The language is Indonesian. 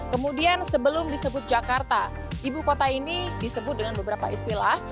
kemudian sebelum disebut jakarta ibu kota ini disebut dengan beberapa istilah